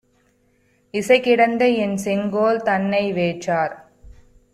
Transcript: இசைகிடந்த என்செங்கோல் தன்னை வேற்றார்